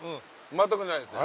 全くないですね。